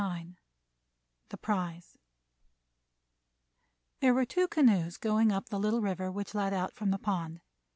IX THE PRIZE There were two canoes going up the little river which led out from the pond.